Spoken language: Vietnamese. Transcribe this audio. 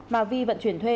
mà vi vận chuyển thuê